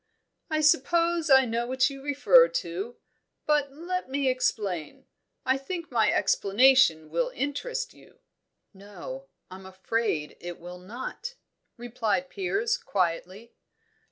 "I suppose I know what you refer to. But let me explain. I think my explanation will interest you." "No, I'm afraid it will not," replied Piers quietly.